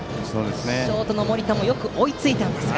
ショートの森田もよく追いついたんですが。